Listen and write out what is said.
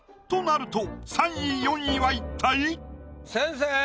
となると３位４位は一体⁉先生。